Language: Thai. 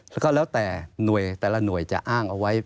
แล้วก็แล้วแต่หน่วยแต่ละหน่วยจะอ้างเอาไว้